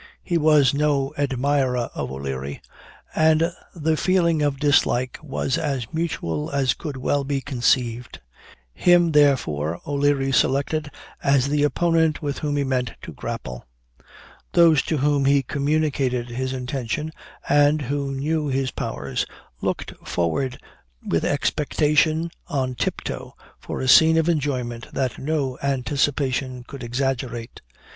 He was no admirer of O'Leary, and the feeling of dislike was as mutual as could well be conceived. Him, therefore, O'Leary selected as the opponent with whom he meant to grapple. Those to whom he communicated his intention, and who knew his powers, looked forward with expectation "on tiptoe" for a scene of enjoyment that no anticipation could exaggerate.